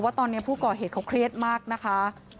ว่าตอนนี้ผู้ก่อเหตุเขาเครียดมากนะคะ